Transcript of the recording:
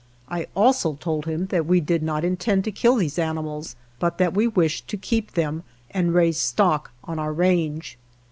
I also told him that we did not intend to kill these ani mals, but that we wished to keep them and raise stock on our range.